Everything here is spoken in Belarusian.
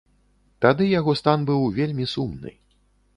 Тады яго стан быў вельмі сумны.